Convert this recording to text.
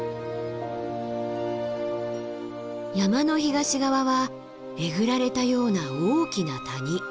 山の東側はえぐられたような大きな谷。